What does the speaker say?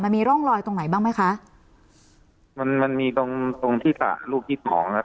มันมีร่องรอยตรงไหนบ้างไหมคะมันมันมีตรงตรงที่สระลูกยึดของแล้ว